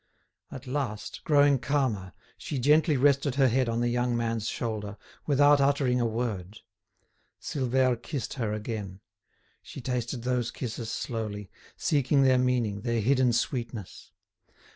At last, growing calmer, she gently rested her head on the young man's shoulder, without uttering a word. Silvère kissed her again. She tasted those kisses slowly, seeking their meaning, their hidden sweetness.